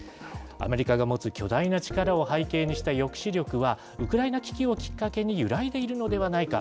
アメリカが持つ巨大な力を背景にした抑止力は、ウクライナ危機をきっかけに揺らいでいるのではないか。